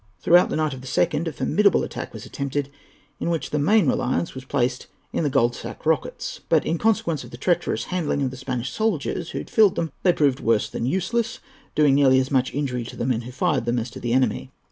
Throughout the night of the 2nd, a formidable attack was attempted, in which the main reliance was placed in the Goldsack rockets; but, in consequence of the treacherous handling of the Spanish soldiers who had filled them, they proved worse than useless, doing nearly as much injury to the men who fired them as to the enemy.